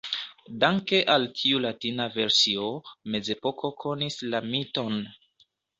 Danke al tiu Latina versio, Mezepoko konis la miton.